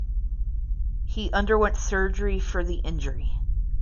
He underwent surgery for the injury.